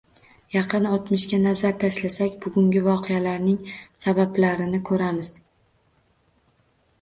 Yaqin o'tmishga nazar tashlasak, bugungi voqealarning sabablarini ko'ramiz